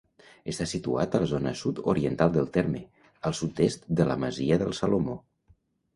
Està situat a la zona sud-oriental del terme, al sud-est de la masia del Salamó.